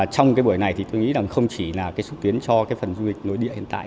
trong buổi này tôi nghĩ không chỉ là xuất tiến cho phần du lịch nối địa hiện tại